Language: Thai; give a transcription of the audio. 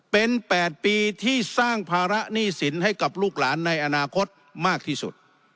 เป็น๘ปีที่สร้างภาระหนี้สินให้กับลูกหลานในอนาคตมากที่สุด